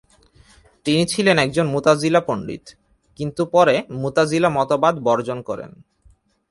তিনি ছিলেন একজন মুতাযিলা পণ্ডিত, কিন্তু পরে মুতাযিলা মতবাদ বর্জন করেন।